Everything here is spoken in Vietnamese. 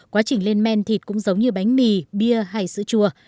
quá trình lên men thịt cũng giống như bánh mì bia hay sữa chua